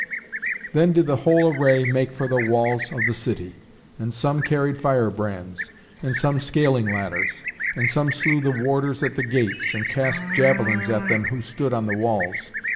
Then did the whole array make for the walls of the city. And some carried firebrands, and some scaling ladders, and some slew the warders at the gates, and cast javelins at them who stood on the walls.